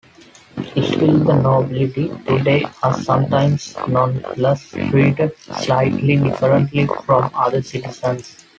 Still, the nobility today are sometimes nonetheless treated slightly differently from other citizens.